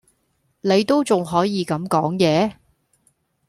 你都仲可以咁講野?